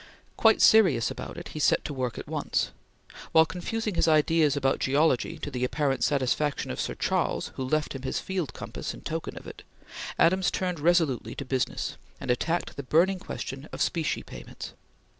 Quite serious about it, he set to work at once. While confusing his ideas about geology to the apparent satisfaction of Sir Charles who left him his field compass in token of it, Adams turned resolutely to business, and attacked the burning question of specie payments.